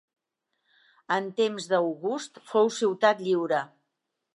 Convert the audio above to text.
En temps d'August fou ciutat lliure.